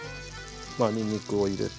にんにくを入れて。